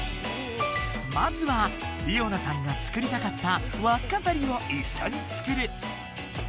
まずはりおなさんがつくりたかったわっかざりをいっしょにつくる。